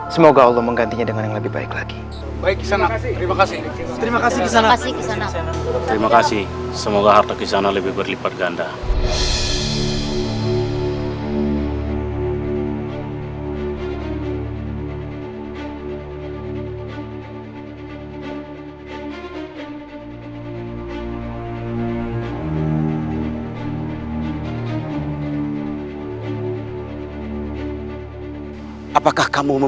semoga harta kisahnya lebih berlipat ganda